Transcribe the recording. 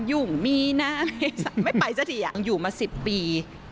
หยุ่งมีนะไม่ไปสักทีอยู่มาสิบปี